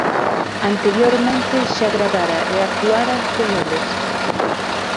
Anteriormente xa gravara e actuara con eles.